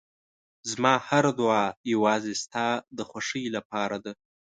زما هره دعا یوازې ستا د خوښۍ لپاره ده.